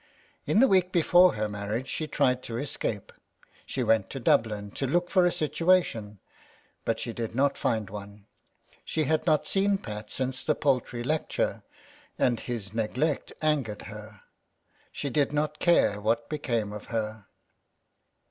In the week before her marriage she tried to escape. She went to Dublin to look for a situa tion ; but she did not find one. She had not seen Pat since the poultry lecture, and his neglect angered her. She did not care what became of her.